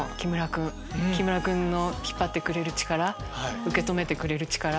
木村君の引っ張ってくれる力受け止めてくれる力。